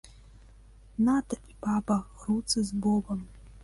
На табе, баба, груцы з бобам!